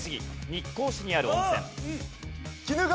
日光市にある温泉。